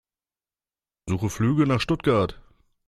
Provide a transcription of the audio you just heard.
Suche Flüge nach Stuttgart.